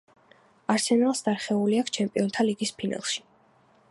არსენალს დარხეული აქ ჩემპიონთა ლიგის ფინალში